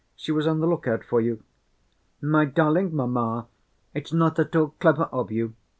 She was on the look‐out for you." "My darling mamma, it's not at all clever of you.